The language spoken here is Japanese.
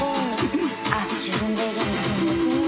あっ自分で。